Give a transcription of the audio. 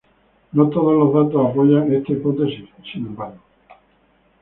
No todos los datos apoyan estas hipótesis, sin embargo.